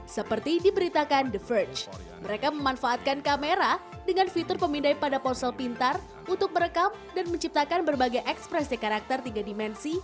seperti diberitakan the verge mereka memanfaatkan kamera dengan fitur pemindai pada ponsel pintar untuk merekam dan menciptakan berbagai ekspresi karakter tiga dimensi